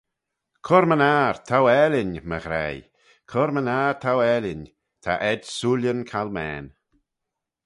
"Cur-my-ner, t'ou aalin my ghraih; cur-my-ner t'ou aalin, ta ayd sooillyn calmane."